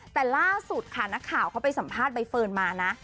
แต่ล่าสุดค่ะนักข่าวเขาไปสัมภาษณ์ใบเฟิร์นมานะ